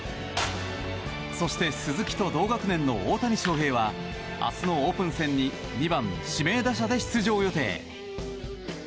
そして、鈴木と同学年の大谷翔平は明日のオープン戦に２番指名打者で出場予定。